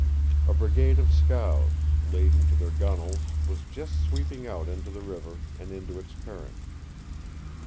A brigade of scows, laden to their gunwales, was just sweeping out into the river and into its current.